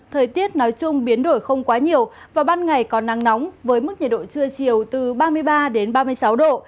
thời tiết nói chung biến đổi không quá nhiều vào ban ngày có nắng nóng với mức nhiệt độ trưa chiều từ ba mươi ba ba mươi sáu độ